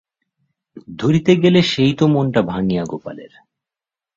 ধরিতে গেলে সেই তো মনটা ভাঙিয়া গোপালের।